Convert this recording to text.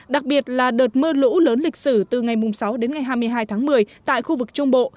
đặc biệt là đợt mưa lũ lớn lịch sử từ ngày sáu đến ngày hai mươi hai tháng một mươi tại khu vực trung bộ